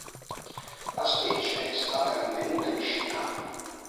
La specie è stata rinvenuta in Cina.